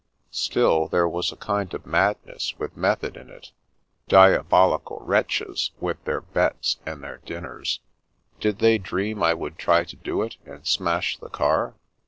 Still, there was a kind of madness with method in it. Diabolical wretches, with their bets, and their dinners ! Did they dream I would try to do it, and smash the car?